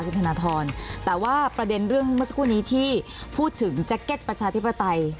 คุณธนทรแต่ว่าประเด็นเรื่องเมื่อสักครู่นี้ที่พูดถึงแจ็คเก็ตประชาธิปไตย